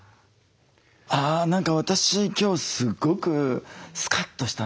あ何か私今日すごくスカッとしたんですよ。